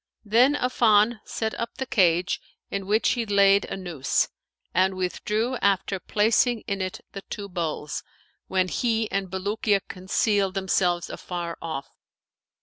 Then Affan set up the cage, in which he laid a noose and withdrew after placing in it the two bowls; when he and Bulukiya concealed themselves afar off.